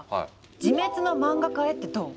「自滅の漫画家へ」ってどう？